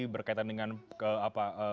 berkaitan dengan ke apa